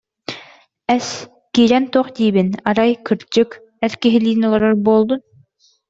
Эс, киирэн туох диибин, арай, кырдьык, эр киһилиин олорор буоллун